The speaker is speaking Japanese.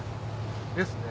ですね。